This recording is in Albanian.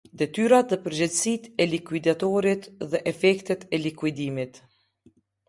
Detyrat dhe përgjegjësitë e likuidatorit dhe efektet e likuidimit.